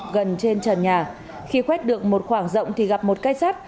gần trên trần nhà khi quét được một khoảng rộng thì gặp một cây sắt